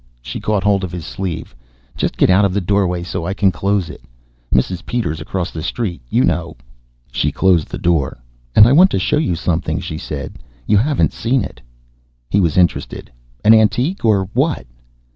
She caught hold of his sleeve. "Just get out of the doorway so I can close it. Mrs. Peters across the street, you know." She closed the door. "And I want to show you something," she said. "You haven't seen it." He was interested. "An antique? Or what?"